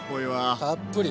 たっぷり。